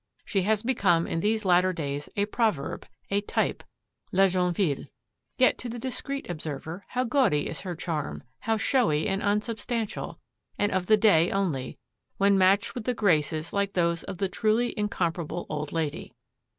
She has become in these latter days a proverb, a type la jeune fille. Yet, to the discreet observer how gaudy is her charm, how showy and unsubstantial, and of the day only, when matched with graces like those of the truly incomparable old lady!